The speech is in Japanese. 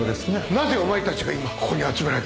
なぜお前たちが今ここに集められたか。